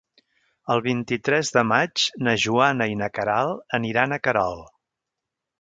El vint-i-tres de maig na Joana i na Queralt aniran a Querol.